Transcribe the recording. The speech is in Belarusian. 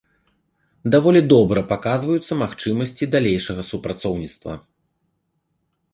Даволі добра паказваюцца магчымасці далейшага супрацоўніцтва.